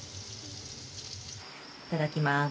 いただきます。